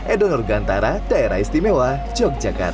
edo nurgantara daerah istimewa yogyakarta